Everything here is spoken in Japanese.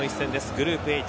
グループＨ。